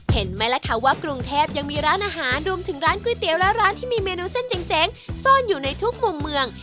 เห็นไหมล่ะคะว่ากรุงเทพยังมีร้านอาหารรวมถึงร้านก๋วยเตี๋ยวและร้านที่มีเมนูเส้นเจ๋งซ่อนอยู่ในทุกมุมเมือง